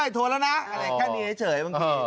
โทรแล้วนะแค่นี้เฉย